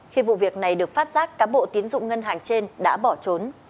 khi vụ việc này được phát giác cán bộ tiến dụng ngân hàng trên đã bỏ trốn